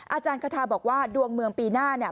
อาจารย์คาทาบอกว่าดวงเมืองปีหน้าเนี่ย